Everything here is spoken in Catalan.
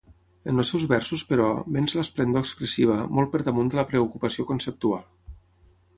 En els seus versos, però, venç l'esplendor expressiva, molt per damunt de la preocupació conceptual.